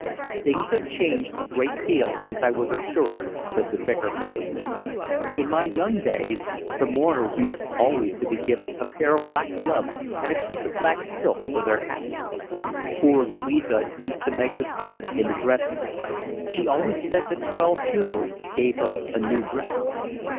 "Things have changed a great deal since I was a curate," said the Vicar presently. "In my young days the mourners used always to be given a pair of black gloves and a piece of black silk for their hats. Poor Louisa used to make the silk into dresses. She always said that twelve funerals gave her a new dress."